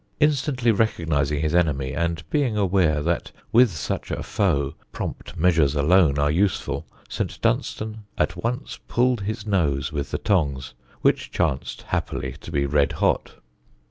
Instantly recognising his enemy, and being aware that with such a foe prompt measures alone are useful, St. Dunstan at once pulled his nose with the tongs, which chanced happily to be red hot.